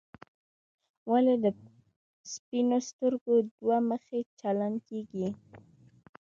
ولې په سپینو سترګو دوه مخي چلن کېږي.